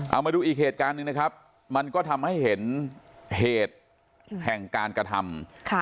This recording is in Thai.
เอามาดูอีกเหตุการณ์หนึ่งนะครับมันก็ทำให้เห็นเหตุแห่งการกระทำ